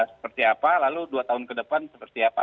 seperti apa lalu dua tahun ke depan seperti apa